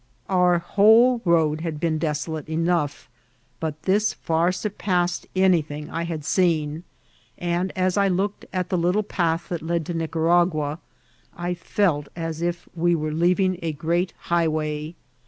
Our whole road had been desolate enough, but this fiflur surpassed anything I had seen ; and as I looked at the little path that led to Nicaragua, I felt as if we were leaving a great highway.